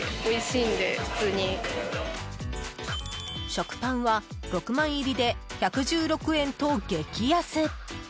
食パンは６枚入りで１１６円と激安。